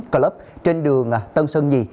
tám mươi chín club trên đường tân sơn nhì